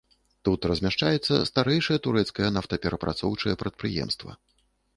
Тут размяшчаецца старэйшае турэцкае нафтаперапрацоўчае прадпрыемства.